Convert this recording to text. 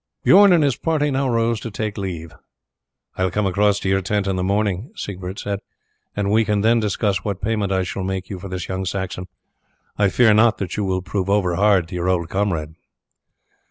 Bijorn and his party now rose to take leave. "I will come across to your tent in the morning," Siegbert said, "and we can then discuss what payment I shall make you for this young Saxon. I fear not that you will prove over hard to your old comrade."